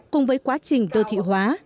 cùng với quá trình đô thị hóa